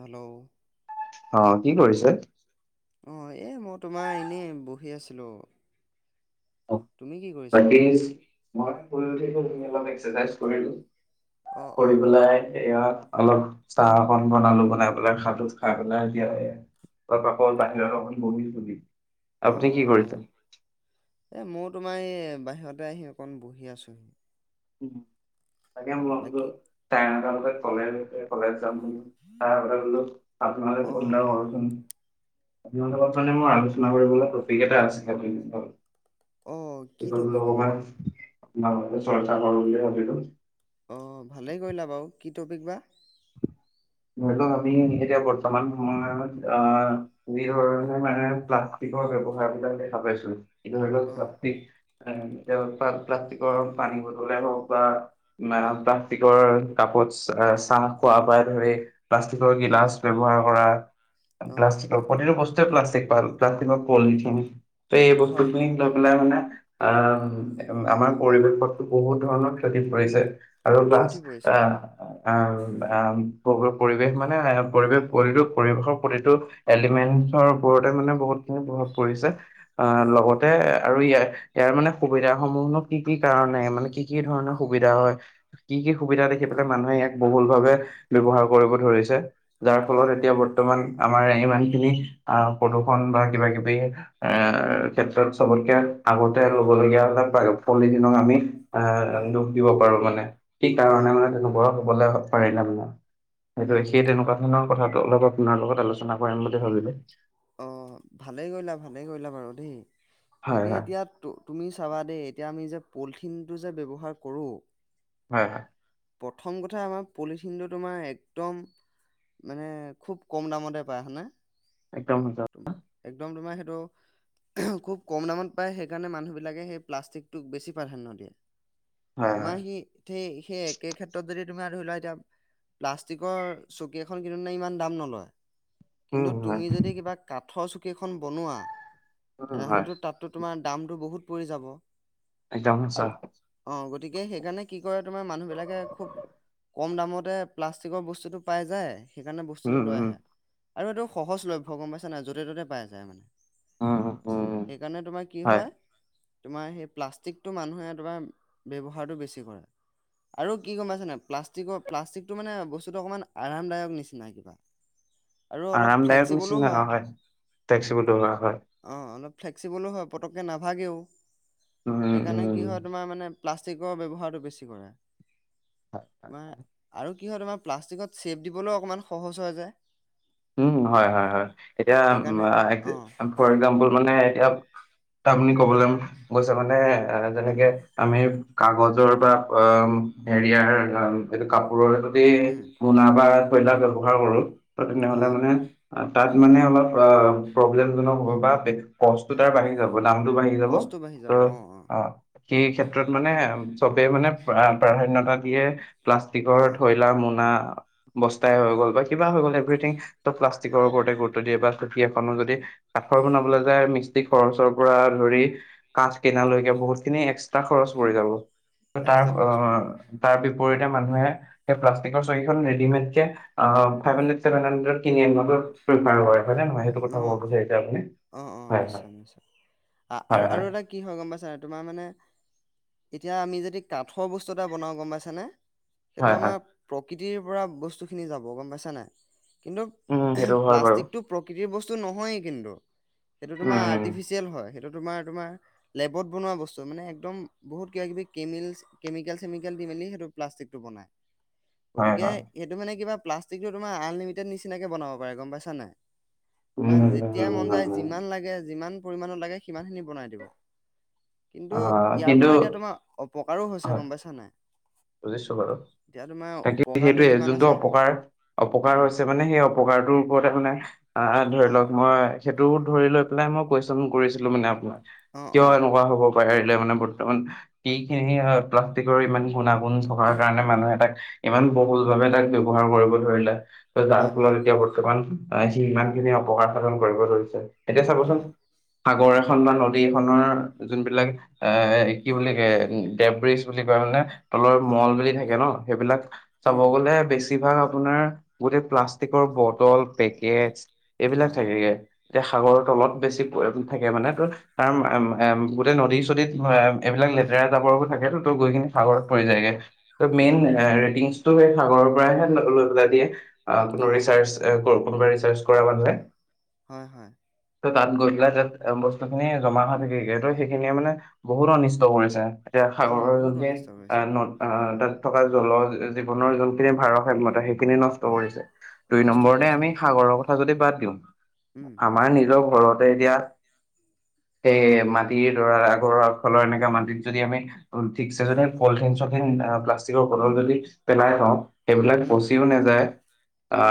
Hello অ, কি কৰিছে? অ, এই মই তোমাৰ এনেই বহি আছিলোঁ। তুমি কি কৰি বাকী মই শুই উঠিলো, [unintelligible] এক্সাইজ কৰিলোঁ। অ অ কৰি অ পেলাই। এইয়া অলপ চাহ অকন বনালো বনাই পেলাই খালোঁ খাই পেলাই এতিয়া [unintelligible] বাহিৰত অকন বমি চবি, অ আপুনি কি অ অ কৰিলে এ মও তোমাৰ এই বাহিৰতে আহি বহি আছোঁহি। উম', বাকী ত ততে তল [unintelligible] অ অ [unintelligible] সিহঁতৰ লগত মানে মোৰ আলোচনা কৰিবলৈ ট্ৰপিক এটা আছিলে অ কি এইটো টপিকনো লগান আৰান চৰ্চা কৰো বুলি ভাবিলো। অ', ভালেই কৰিলা বাৰু, কি ট্ৰপিক বা? ধৰি লওঁক আমি এতিয়া বৰ্তমান সময়ত আহ যি ধৰণে মানে প্লাষ্টিকৰ ব ব্যৱহাৰ বিলাক দেখা পাইছো। ধৰি লওঁক অ প্লাক এ এতি প্লাষ্টিকৰ পানী বটলে হওঁক বা অ প্লাষ্টিকৰ কাপত চাহ খোৱাৰপা ধৰি প্লাষ্টিকৰ উম গিলাচ ব্যৱহাৰ কৰা। অ প্লাষ্টিক প্ৰতিটো বস্তুেৱে প্লাষ্টিক প্লাষ্টিক পলিথিন। এই বস্তু হয় হয় হ'লে মানে আহ আমাৰ পৰিৱেশতো বহুত ধৰণৰ খতি কৰিছে। আৰু প্লাছ ক্ষতি পৰিছে হয় আহ' পৰিৱেশ মানে পৰিৱেশ প্ৰতিটো পৰিৱেশৰ প্ৰতিটো এলিমেন্টছৰ ওপৰতে মানে বহুত খিনি প্ৰভাৱ পৰিছে। আ হয় হয় লগতে আৰু ইয় ইয়াৰ মানে সুবিধা সমূহক কি কি কাৰনে মানে কি কি ধৰণৰ সুবিধা হয়। কি কি সুবিধা দেখি পেলাই হয় মানুহে ইয়াক বহুল ভাৱে ব্যৱহাৰ কৰিব ধৰিছে। যাৰ ফলত হয় এতিয়া হয় বৰ্তমান আমাৰ ইমান খিনি আহ প্ৰদূষন বা কিবা কিবি ক্ষেত্ৰত চবতকে আগতে ল'বলগীয়া হ'লে পলিথিনক আমি এ হয় দোষ দিব পাৰো মানে কি হয় কাৰণে মানে হয় তেনেকুৱা হ'বলৈ পাৰিলে মানে। উম সেইটোৱই, সেই তেনেকুৱা ধৰণৰ কথাটো অলপ আপোনাৰ লগত আলোচনা কৰিম বুলি ভাবিলে। অ', ভালেই কৰিলা ভালে কৰিলা আৰু দেই। হয় তাকে হয় এতিয়া তুমি চাবা দেই এতিয়া আমি যে পলিথিনটো যে কৰোঁ। হয়, হয়। প্ৰথম কথা আমাৰ পলিথিনটো তোমাৰ একদম মানে খুব ক'ম দামতে পায় হয়নে? একদম সঁচা। একদম তোমাৰ সেইটো খুব ক'ম দামত পায়, সেইকাৰণে মানুহবিলাকে সেই প্লাষ্টিকটোক বেছি প্ৰাধান্য দিয়ে। হয় হয় তোমাৰ সি সেই সেই একে ক্ষেত্ৰত যদি তোমাৰ ধৰি লোৱা এতিয়া প্লাষ্টিকৰ চকী এখন কিনোতে ইমান দাম নলয়। উম কিন্তু হয় তুমি যদি কিবা কাঠৰ চকী এখন বনোৱা উম হয় তেনেহ'লেতো তাত টো তোমাৰ দামটো বহুত পৰি যাব। একদম আৰু সঁচা অ', গতিকে সেইকাৰণে কি কৰে তোমাৰ মানুহ বিলাকে খুব ক'ম দামতে প্লাষ্টিকৰ বস্তুটো পাই যায়। সেইকাৰণে উম বস্তুটো লৈ উম আহে, আৰু এইটো সহজ লভ্য গ'ম পাইছা নাই, য'তে ত'তে পাই যায় মানে। উম উম উম সেইকাৰণে তোমাৰ কি হয়। তোমাৰ সেই প্লাষ্টিকটো মানুহে তোমাৰ ব্যৱহাৰটো বেছি কৰে। আৰু কি গ'ম পাইছেনে? প্লাষ্টিকৰ প্লাষ্টিকটো মানে বস্তুটো অকণমান আৰামদায়ক নিচিনা কিবা আৰু অলপ আৰামদায়ক ফ্লেক্সিবলো নিছিনা হয় নহয়। ফেক্সিবোল ধৰা হয়। অ', অলপ ফ্লেক্সিবলো হয় পটককৈ নাভাগেও, উম সেইকাৰণে কি উম হয় তোমাৰ মানে প্লাষ্টিকৰ ব্যৱহাৰটো বেছি কৰে। তোমাৰ আৰু কি হয় তোমাৰ প্লাষ্টিকত চেপ দিবলৈও অকণমান সহজ হয় যে। উম হয় হয় হয়। এতিয়া সেইকাৰণে অ' ফৰ একজাম্পল মানে এতিয়া আপুনি ক'বলৈ গৈছে মানে উম, যেনেকে আমি কাগজৰ বা অ' হেৰিয়াৰ এইটো কাপোৰৰ সেইটো দি উম মোনা বা থৈলাৰ ব্যৱহাৰ কৰো। ত তেনেহলে হয়। মানে তাত মানে অলপ প্ৰব্লেম জনক হ'ব পাৰে। কষ্টটো হয়, তাৰ বাঢ়ি যাব দামটো বাঢ়ি যাব। কষ্টটো বাঢ়ি যাব ত' অ' সেই ক্ষেত্ৰত মানে চবেই মানে প্ৰাধান্যতা দিয়ে। প্লাষ্টিকৰ অ', থৈলা, মোনা, বস্তাই হৈ গ'ল বা কিবা হৈ গ'ল এভ্ৰিথিং। ত' প্লাষ্টিকৰ হয়, ওপৰতে গুৰুত্ব দিয়ে বা চকি এখনো যদি কাঠৰ বনাবলৈ যায় মিছ স্ত্ৰী খৰচৰ পৰা ধৰি কাঠ কিনা লৈকে হয়। বহুত খিনি এক্সট্ৰা খৰচ পৰি যাব। এক্সট্ৰা খৰচ পৰি যায় [unintelligible] বিপৰীতে মানুহে সেই প্লাষ্টিকৰ চকীখন ৰেডিমেডকে ফাইভ হাণ্ড্ৰেড [unintelligible] সেইটো কথা ক'ব অ' বিচাৰিছে আপুনি অ' অ' হয় নিশ্চয় নিশ্চয়, আৰু হয় আৰু হয় এটা কি হয় গম পাইছা নাই, তোমাৰ মানে এতিয়া আমি যদি কাঠৰ বস্তু এটা বনাওঁ। গম পাইছানে? সেইটো হয় হয় হয় আমাৰ প্ৰকৃতিৰ পৰা বস্তুখিনি যাব। গম পাইছা নাই? কিন্তু উম সেইটো হয় বাৰু প্লাষ্টিকটো প্ৰকৃতিৰ বস্তু নহয়েই কিন্তু। সেইটো তোমাৰ উম আৰ্টিফিচিয়েল হয় সেইটো তোমাৰ তোমাৰ লেবত বনোৱা বস্তু মানে একদম বহুত কিবা কিবি কেমেলছ কেমিকেল-চেমিকেল দি মেলি সেইটো প্লাষ্টিকটো বনাই। [inaudible] গতিকে সেইটো মানে কিবা প্লাষ্টিকটো তোমাৰ আনলিমিটেড নিচিনাকে বনাব পাৰে। গম পাইছা নাই? তোমাৰ যেতিয়াই মন যায়, উম যিমান লাগে যিমান পৰিমাণৰ লাগে সিমানখিনি বনাই দিব। অ কিন্তু ইয়াৰ কিন্তু পৰা এতিয়া তোমাৰ অপকাৰো হৈছে। হয় গম পাইছা নাই? বুজিছো বাৰু! এতিয়া তোমাৰ তাকে উপকাৰটো সেইটোৱে যিমান যোনটো আছে অপকাৰ-অপকাৰ উম, হৈছে। মানে সেই অপকাৰটোৰ ওপৰতে মানে অ' ধৰি লওক মই সেইটো ধৰি লৈ পেলাই মই কুৱেশ্যন কৰিছিলো মানে আপোনাৰ অ', কিয় অ', এনেকুৱা হ'ব? পাৰিলে মানে বৰ্তমান এইখিনি প্লাষ্টিকৰ ইমান [unintelligible] বনাই থকাৰ কাৰণে মানুহ এটাক ইমান বহুল ভাবে তাক ব্যৱহাৰ কৰিব ধৰিলে। যাৰ হয়, ফলত হয়, এতিয়া বৰ্তমান সি ইমান খিনি অপকাৰ সাধন কৰিব ধৰিছে। এতিয়া চাবচোন, হয়, সাগৰ উম, এখন বা নদী এখনৰ যোনবিলাক এ কি বুলি কয়, দেবৰিজ বুলি কয় মানে তলৰ অ', মল বুলি থাকে ন, সেইবিলাক চাব উম, গলে বেছিভাগ আপোনাৰ গোটেই প্লাষ্টিকৰ বটল, পেকেটছ, এইবিলাক হয়, থাকেগে। এতিয়া সাগৰৰ তলত বেছি থাকে মানে ত' তাৰ গোটেই নদী-চদীত এইবিলাক উম, লেতেৰা জাৱৰ থাকেটো, ত' গৈ কিনি সাগৰত অ', পৰি যায়গে। ত' মেইন উম, ৰেটিংছ ত' সেই সাগৰৰ পৰাহে লৈ পেলাই দিয়ে, কোনো অ', ৰিচাৰ্চ কোনোবা ৰিচাৰ্চ কৰা মানুহে। হয় হয়। ত' তাত গৈ পেলাই তাত বস্তুখিনি জমা হয় থাকেগে ত' সেইখিনিয়ে মানে বহুত অনিষ্ট কৰিছে, এতিয়া অ', সাগৰৰ বহুত অনিষ্ট কৰিছে আহ তাত থকা জল-জীৱনৰ যোনখিনি ভাৰসাম্যতা সেই বহুত খিনি নষ্ট হয়, কৰিছে, দুই নষ্ট নম্বৰতে কৰিছে আমি হয়, সাগৰৰ কথা যদি বাদ দিওঁ। উম, আমাৰ নিজৰ ঘৰতে এতিয়া সেই মাটিৰ ধৰা, ঘৰৰ আগৰ ফালৰ এনেকুৱা মাটিত যদি আমি ঠিকছে যদি পলথিন-চলথিন প্লাষ্টিকৰ বটল যদি পেলাই থওঁ। সেইবিলাক উম, ফচিও নাযায়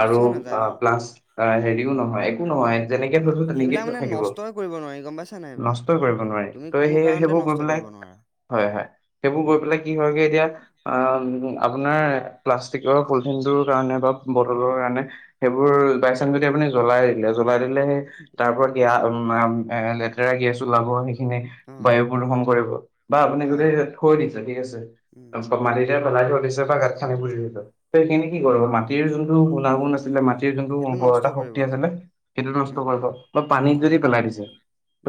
আৰু আ নাযায় অ'। প্লাছ আ হেৰিও নহয় একো নহয়। যেনেকে অ থৈছো তেনেকে এইবিলাক মানে থাকিব নষ্টই কৰিব নোৱাৰি গম পাইছা নাই নষ্টই কৰিব এইবিলাক নোৱাৰি তুমি ত' কোনো সেই কাৰণতে সেইবোৰ গৈ নষ্ট পেলাই কৰিব নোৱাৰা। হয় হয় সেইবোৰ গৈ উম পেলাই কি হয় গৈ এতিয়া আহ আপোনাৰ প্লাষ্টিকৰ পলিথিনটোৰ কাৰণে বা বটলৰ কাৰণে সেইবোৰ উম বাই চান যদি আপুনি জ্বলাই দিলে, জ্বলাই দিলে সেই তাৰ পৰা কি আ উম আম এ লেতেৰা গেছ ওলাব সেইখিনি অ বায়ু প্ৰদূষন কৰিব বা আপুনি যদি হয় থৈ দিছে ঠিক আছ উম। ত মাটিতে পেলাই থৈ দিছে বা গাত খান্দি পুতি থৈছে সেইখিনি কি কৰিব উম মাটিৰ যোনটো গুনা গুন আছিলে মাট টিৰ যোনটোৰ সেইটো নষ্ট উৰ্বৰতা কৰিব শক্তি আছিলে সেইটো নষ্ট উম কৰিব বা পানীত হয় যদি হয় পেলাই দিছে।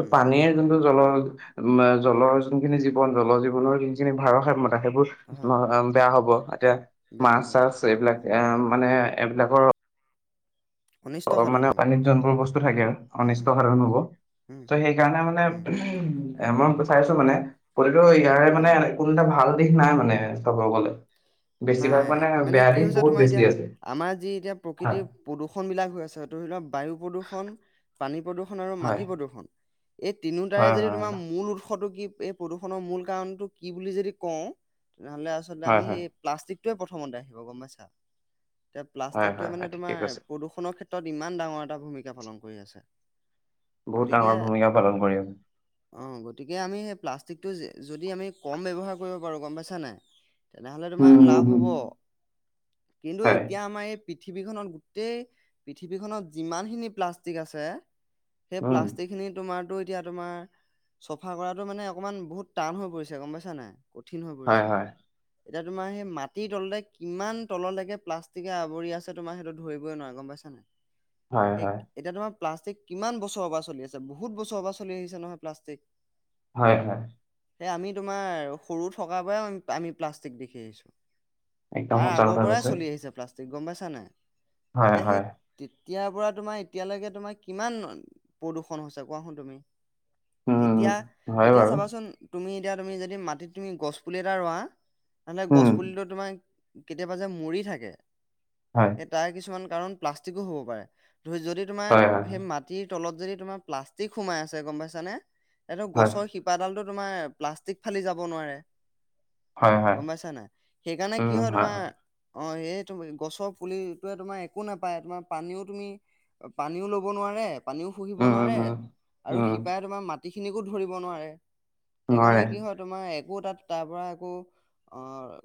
টো পানীৰ যোনটো জল আম আ জলৰ যোনখিনি জীৱন জলৰ জীৱনৰ যোনখিনি ভাৰসাম্যতা সেইবোৰ হয় [unintelligible] বেয়া হব এতিয়া বেয়া মাছ - হ'ব হয় চাছ এইবিলাক এ মানে এইবিলাকৰ অনিষ্ট অ' সাধন মানে হ'ব পানীত যোনবোৰ বস্তু থাকে উম উম অনিষ্ট সাধন হ'ব। উম ত' সেইকাৰণে মানে উম উহ এ মই চাইছো মানে প্ৰতিটো ইয়াৰে মানে অ কোনো এটা ভাল দিশ নাই মানে চাব গলে। বেছিভাগ নাই মানে বেয়া কি দিশ হৈছে বহুত তোমাৰ বেছি এতিয়া আছে আমাৰ যি এতিয়া হয় প্ৰকৃতিৰ প্ৰদূষণবিলাক হৈ আছে ধৰি লওক বায়ু প্ৰদূষণ, পানী প্ৰদূষণ আৰু মাটি হয় প্ৰদূ্ষণ। এই তিনিওটাৰে হয় যদি হয় তোমাৰ মূল উৎসটো কি এই প্ৰদূষণৰ মূল কাৰণটো কি বুলি যদি কওঁ তেনেহলে আচলতে হয় আমি হয় এই প্লাষ্টিকটোৱে প্ৰথমতে আহিব গম পাইছা এতিয়া হয় হয় প্লাষ্টিকটোৱে হয় মানে ঠিকে তোমাৰ কৈছে প্ৰদূষনৰ ক্ষেত তত ইমান ডাঙৰ এটা ভূমিকা পালন কৰি আছে। বহুত গতিকে ডাঙৰ ভূমিকা পালন কৰি অ' গতিকে আমি সেই প্লাষ্টিকটো য যদি আমি কম ব্যৱহাৰ কৰিব পাৰোঁ গ'ম পাইছা নাই? তেনেহলে উম তোমাৰ লাভ উম উম, হ'ব। কিন্তু হয় এতিয়া আমাৰ এই পৃথিৱীখনত গোটেই পৃথিৱীখনত যিমানখিনি প্লাষ্টিক আছে সেই উম প্লাষ্টিকখিনি তোমাৰ টো এতিয়া তোমাৰ চফা কৰাটো মানে অকণমান বহুত টান হৈ পৰিছে গ'ম পাইছা নাই? কঠিন হৈ হয়, পৰিছে। হয়, এতিয়া তোমাৰ সেই মাটিৰ তলতে কিমান তললৈকে প্লাষ্টিকে আৱৰি আছে তোমাৰ সেইটো ধৰিবই নোৱাৰে গম পাইছানে নাই? [inaudible] এ এতিয়া তোমাৰ প্লাষ্টিক কিমান বছৰৰ পৰা চলি আছে বহুত বছৰৰ পৰা চলি আহিছে নহয় প্লাষ্টিক। হয় হয়। এই আমি তোমাৰ সৰু থকাৰ পৰাই আ আমি প্লাষ্টিক দেখি আহিছোঁ। একদম তাৰ সঁচা আগৰ কথা পৰাই কৈছে। চলি আহিছে প্লাষ্টিক গ'ম পাইছা নে নাই? হয়, এতিয়া হয়, সেই তেতিয়াৰ পৰা তোমাৰ এতিয়ালৈকে তোমাৰ কিমান প্ৰদূষণ হৈছে কোৱা সোন তুমি? উম, এতিয়া, হয় এতিয়া বাৰু, চাবাচোন তুমি এতিয়া তুমি যদি মাটিত তুমি গছপুলি এটা ৰোৱা নহলে গছ উম, পুলিটো তোমাৰ কেতিয়াবা যে মৰি থাকে হয়। সেই তাৰ কিছুমান কাৰণ প্লাষ্টিকো হ'ব পাৰে, ধৰ যদি তোমাৰ হয়, হয়, সেই মা টিৰ তলত যদি তোমাৰ প্লাষ্টিক সোমাই আছে গম পাইছানে এইটো হয়, গছৰ শি পাডালটো তোমাৰ প্লাষ্টিক ফালি যাব নোৱাৰে। হয়, হয়, গ'ম পাইছা নাই সেইকাৰণে কি হয় তোমাৰ অ' সেইটোয়ে গছৰ পুলিটোৱে তোমাৰ একো নাপায়, তোমাৰ পানীও তুমি অঁ পানীও ল'ব নোৱাৰে পানীও শুহিব উম, উম, নোৱাৰে উম, আৰু উম, শিপাই তোমাৰ মাটিখিনিকো ধৰিব নোৱাৰে। নোৱাৰে। সেইকাৰণে কি হয় তোমাৰ একো তাত তাৰপৰা একো অঁ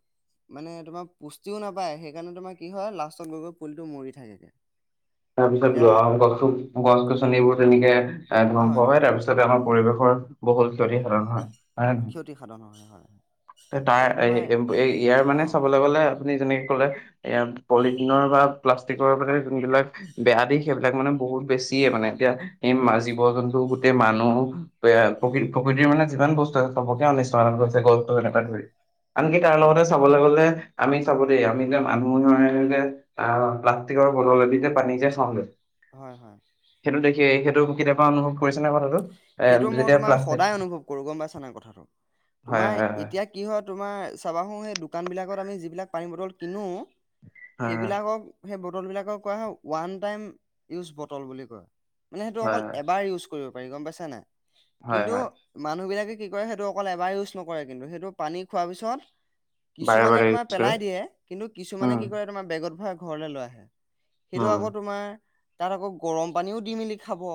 মানে তোমাৰ পুষ্টিও নাপায় সেইকাৰণে তোমাৰ কি হয় লাষ্টত গৈ গৈ পুলিটো মৰি থাকেগে। এতিয়া তাৰপিছত গছ গছ গছনিবোৰ তেনেকে এ ধ্বংস হয় তাৰপিছত তে আমাৰ পৰিৱেশৰ বহুত ক্ষতি সাধন হয়। হয় নে নহয়? ক্ষতিসাধন হয় হয় হয়। তাৰ এতিয়া তোমাৰ এ ইয়াৰ অ মানে চাবলৈ গলে আপুনি যেনেকে কলে এইয়া পলিথিনৰ বা প্লাষ্টিকৰ মানে যোনবিলাক বেয়া দিশ উম, সেইবিলাক মানে বহুত বেছিয়ে মানে, এতিয়া সেই বহুত বেছি জীৱ হয় জন্তু গোটেই মানুহ প্ৰকৃ উম প্ৰকৃতিৰ মানে যিমান বস্ সবকে অনিষ্ট সাধন কৰিছে গছটো এনেকে অ ধৰি, আনকি তাৰ অ লগতে চাওঁক চাবলে গলে আমি চাব দেই আমি যে মানুহে যে আ প্লাষ্টিকৰ বটলেদি‌ যে পানী যে খাওঁ যে হয় হয়। সেইটো দেখে সেইটো কে সেইটো মই তোমাৰ প্লাষ্টিক সদায় অনুভৱ কৰো, গম পাইছা নাই কথাটো? হয় তোমাৰ হয় ই হয় এতিয়া কি হয় তোমাৰ চাবাহো সেই দোকানবিলাকত আমি যিবিলাক পানী বটল কিনো হয় সেইবিলাকক সেই বটল বিলাকক কোৱা হয় ওৱান টাইম ইউজ বটল বুলি কয়। মানে সেইটো হয় অকল হয় এবাৰ ইউজ কৰিব পাৰি, গম পাইছ নাই? হয় কিন্তু হয় মানুহ বিলাকে কি কৰে সেইটো অকল এবাৰ নকৰে কিন্তু, সেইটো পানী খোৱাৰ পিছত বাৰে কিছুমানে বাৰে তোমাৰ ইউজ কৰে পেলাই দিয়ে, কিন্তু কিছুমানে কি উম, কৰে তোমাৰ বেগত ভৰাই ঘৰলে লৈ আহে। সেইটো আকৌ তোমাৰ তাত আকৌ গৰম পানীও দি মেলি খাব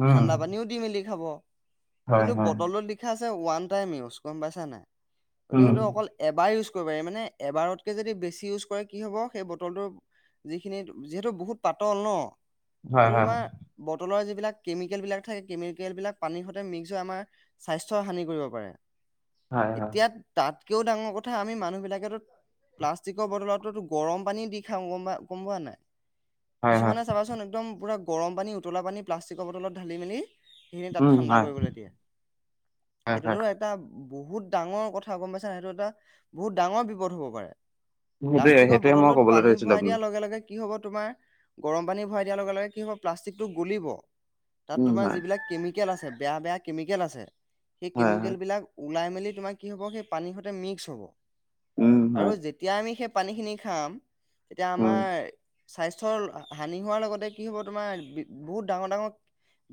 উম, ঠাণ্ডা পানীও দি মেলি খাব, হয়, কিন্তু হয়, বটলত দি লিখা আছে ওৱান টাইম ইউজ, গম পাইছা নাই? গতিক উম, সেইটো অকল এবাৰ ইউজ কৰিব পাৰি, মানে এবাৰতকে যদি বেছি ইউজ কৰে কি হ'ব সেই বটলটোৰ যিখিনি যিহেতু বহুত পাতল ন, হয়, সেইটো হয়, তোমাৰ বটলৰ যিবিলাক কেমিকেল বিলাক থাকে কেমিকেল বিলাক পানীৰ সতে মিক্স হৈ আমাৰ স্বাস্থ্য হানি কৰিব পাৰে। হয়, হয়, এতিয়া তাতকেও ডাঙৰ কথা আমি মানুহ বিলাকে টো প্লাষ্টিকৰ বটলতো গৰম পানী দি খাওঁ গম গম পোৱা নাই। হয়, হয়, কিছুমানে চাবাচোন একদম পোৰা গৰম পানী উতলা পানী প্লাষ্টিকৰ বটলত ঢালি মেলি সেইখিনি তাত উম, ঠাণ্ডা হয়, কৰিবলে দিয়ে, হয়, হয়, সেইটোতো এ এটা বহুত ডাঙৰ কথা গম পাইছা নাই? সেইটো এটা বহুত ডাঙৰ বিপদ হ'ব পাৰে। সেইটোৱে, প্লাষ্টিকৰ সেইটোৱে মই বটলটোত ক'বলৈ পানী ধৰিছিলো ভৰাই দিয়াৰ আপোনাক, লগে লগে কি হ'ব তোমাৰ? গৰম পানী ভৰাই দিয়াৰ লগে লগে কি হ'ব প্লাষ্টিকটো গলিব। তাত উম, তোমাৰ হয়, যিবিলাক কেমিকেল আছে বেয়া বেয়া কেমিকেল আছে সেই হয়, হয়, কেমিকেল বিলাক ওলাই মেলি তোমাৰ কি হ'ব সেই পানীৰ সতে মিক্স হ'ব, উম, হয়, আৰু যে তিয়া আমি সেই পানীখিনি খাম তেতিয়া উম, আমাৰ স্বাস্থৰ হানি হোৱাৰ লগতে কি হ'ব তোমাৰ বহুত ডাঙৰ ডাঙৰ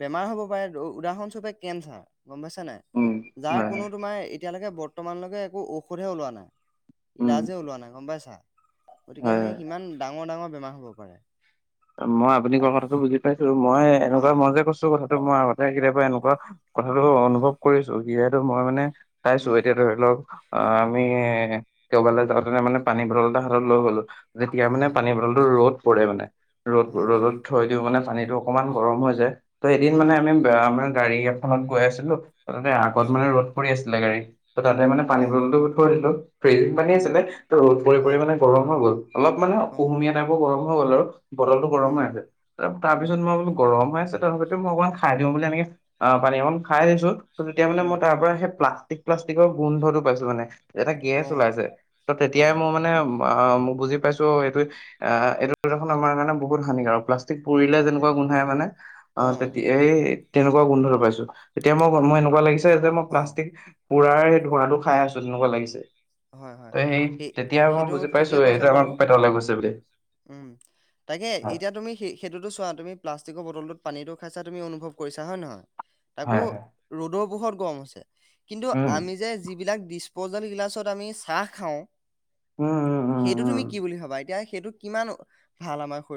বেমাৰ হ'ব পাৰে, উদাহৰণস্বৰূপে কেঞ্চাৰ গম পাইছে নাই? উম, যাৰ হয়, হয়, কোনো তোমাৰ এই এতিয়ালৈকে বৰ্তমানলৈকে একো ঔষধহে ওলোৱা নাই। উম, ইলাজে ওলোৱা নাই গম পাইছা, গতিকে হয়, হয়। সেই সিমান ডাঙৰ ডাঙৰ বেমাৰ হ'ব পাৰে। মই আপুনি কোৱা আৰু কথাটো বুজি পাইছো, মই এনেকুৱা অ', মই যে কৈছো কথাটো মই আগতে কেতিয়াবা এনকুৱা কথাটো হয়, অনুভৱ কৰিছো যিহেতু মই মানে চাইছো, উম, এতিয়া ধৰি লওক আমি কবালৈ যাওঁতেনে মানে পানী বটল এটা হাতত লৈ গলো যেতিয়া মানে হয়, পানী বটলটো ৰ'দ পৰে মানে- ৰ হয়, ৰ'দত হয়, থৈ দিওঁ মানে পানীটো অকমান গৰম হৈ যায়, ত এদিন মানে উম, আমি বা মানে গাড়ী- খনত গৈ আছিলো, তাত মানে আগত অ', মানে ৰদ পৰি আছিলে গাড়ী- ত তাতে মানে পানী অ', বটলতো থৈ দিলো, ফ্ৰিজ পানী উম, আছিলে ত' ৰদ পৰি পৰি অ', মানে গৰম হৈ গ'ল। অলপ মানে অ', কুহুমীয়া টাইপৰ গৰম হৈ গ'ল আৰু। বটল টো গৰম উম, হৈ আছে। ত উম, তাৰপিছত মই বোলো গৰম হৈ আছে! ত সেইটো মই অকমান খাই দিওঁ বুলি এনেকে অঁ পানী অকমান খাই দিছো, ত তেতিয়া মানে উম, মই তাৰ পৰা সেই প্লাষ্টিক- প্লাষ্টিকৰ গোন্ধটো পাইছো মানে, এটা গেছ অ', ওলাইছে। ত তেতিয়াই অ', মই মানে- বা মই বুজি পাইছো অঁ' এইটো অঁ'এইটো দেখোন- আমাৰ কাৰনে বহুত হানিকাৰক, প্লাষ্টিক পুৰিলে যেনেকুৱা গোন্ধাই মানে অঁ' অ', তেতিয়া এই- তেনেকুৱা গোন্ধ পাইছো, এতিয়া মই মই এনেকুৱা লাগিছে যে মই অ', প্লাষ্টিক- পোৰা সেই ধোঁৱাটো খাই আছো তেনেকুৱা লাগিছে। হয়, হয়। তে সেই তেতিয়া মই সেইটো বুজি ঠিকেই পাইছো কৈছা এইটো আমাৰ বাৰু। পেটলৈ গৈছে উম, বুলি। উম, তাকে হয় এতিয়া তুমি সেই সেইটোতো চোৱা তুমি প্লাছ- ষ্টিকৰ বটলটোত পানীটো খাইছা তুমি অনুভৱ কৰিছা হয়নে নহয়? হয় তাকো- হয় ৰ'দৰ পোহৰত গৰম হৈছে, কিন্তু উম। আমি যে যিবিলাক ডিচপ'জেবল গিলাচত- আমি চাহ খাওঁ- উম' সেইটো তুমি কি বুলি ভাবা? এতিয়া সেইটো কিমান ভাল আমাৰ শৰী-